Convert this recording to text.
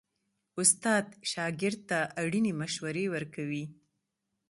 استاد شاګرد ته اړینې مشورې ورکوي.